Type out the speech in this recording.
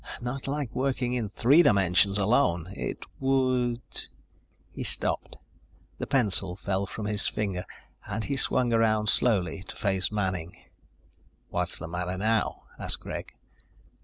Not like working in three dimensions alone. It would ..." He stopped. The pencil fell from his finger and he swung around slowly to face Manning. "What's the matter now?" asked Greg.